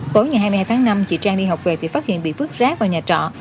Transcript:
tối ngày hai mươi hai tháng năm chị trang đi học về thì phát hiện bị vứt rác vào nhà trọ